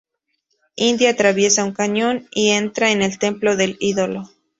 Indy atraviesa un cañón y entra en el templo del ídolo.